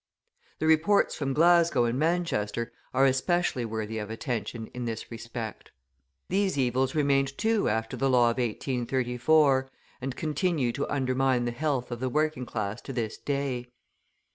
The reports from Glasgow and Manchester are especially worthy of attention in this respect. These evils remained too, after the law of 1834, and continue to undermine the health of the working class to this day.